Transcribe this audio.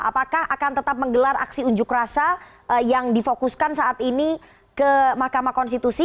apakah akan tetap menggelar aksi unjuk rasa yang difokuskan saat ini ke mahkamah konstitusi